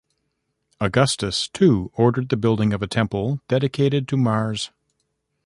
Augustus, too, ordered the building of a temple, dedicated to Mars.